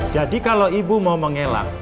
jadi kalau ibu mau mengelak